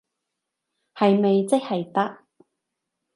係咪即係得？